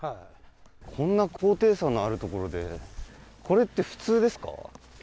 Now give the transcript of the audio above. こんな高低差のあるところでこれって普通ですか？